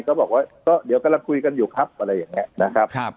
ก็บอกว่าก็เดี๋ยวกำลังคุยกันอยู่ครับอะไรอย่างนี้นะครับ